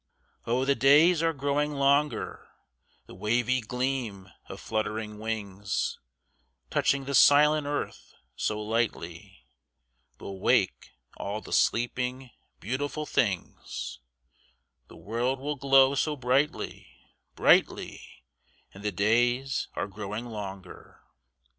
Oh, the days are growing longer, The wavy gleam of fluttering wings, Touching the silent earth so lightly, Will wake all the sleeping, beautiful things, The world will glow so brightly brightly; And the days are growing longer.